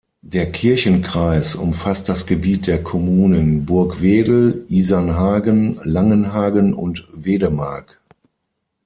Der Kirchenkreis umfasst das Gebiet der Kommunen Burgwedel, Isernhagen, Langenhagen und Wedemark.